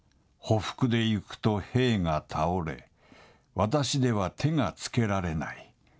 匍匐で行くと兵が倒れ、私では手がつけられない。